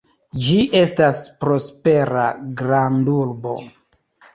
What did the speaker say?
Ĝi estas prospera grandurbo.